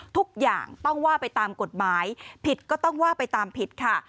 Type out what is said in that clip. ทุกอย่างต้องว่าไปตามกฎหมายผิดก็ต้องว่าไปตามผิดค่ะ